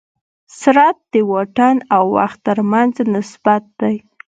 سرعت د واټن او وخت تر منځ نسبت دی.